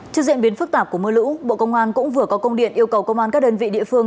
trước diễn biến phức tạp của mưa lũ bộ công an cũng vừa có công điện yêu cầu công an các đơn vị địa phương